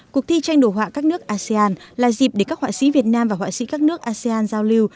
cuộc thi tranh đồ họa các nước asean là dịp để các họa sĩ việt nam và họa sĩ các nước asean giao lưu